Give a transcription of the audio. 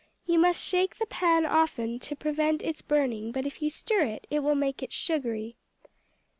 You must shake the pan often to prevent its burning, but if you stir it, it will make it sugary.